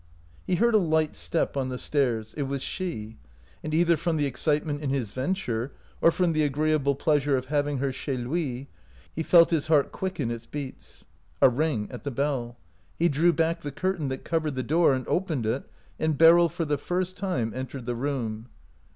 He heard a light step on the stairs ; it was 1 08 OUT OF BOHEMIA she ; and either from the excitement in his venture or from the agreeable pleasure of having her chez lui, he felt his heart quicken its beats. A ring at the bell. He drew back the curtain that covered the door, and opened it, and Beryl for the first j^me en tered the room.